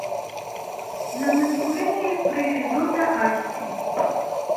له مجبوري نه يې پرېښودو ته اړ شي.